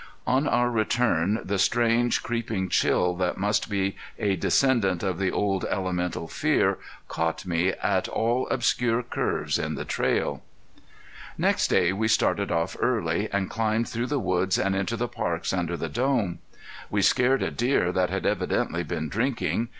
On our return the strange creeping chill, that must be a descendant of the old elemental fear, caught me at all obscure curves in the trail. [Illustration: A HUNTER'S CABIN ON A FROSTY MORNING] Next day we started off early, and climbed through the woods and into the parks under the Dome. We scared a deer that had evidently been drinking.